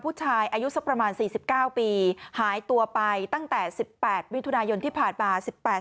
ผู้ชายอายุสักประมาณ๔๙ปีหายตัวไปตั้งแต่๑๘มิถุนายนที่ผ่านมา